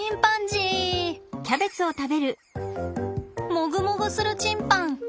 もぐもぐするチンパン！